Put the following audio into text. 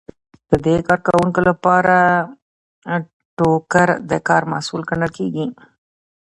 د دې کارکوونکو لپاره ټوکر د کار محصول ګڼل کیږي.